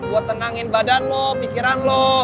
buat tenangin badan lo pikiran lo